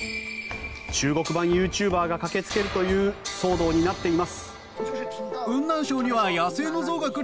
中国版ユーチューバーが駆けつけるという騒動になっています。